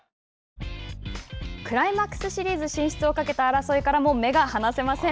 クライマックスシリーズ進出をかけた争いからも目が離せません。